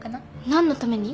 何のために？